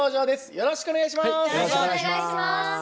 よろしくお願いします。